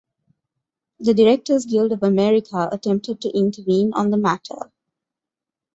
The Director's Guild of America attempted to intervene on the matter.